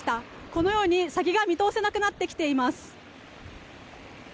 このように先が見通せなくなってきています。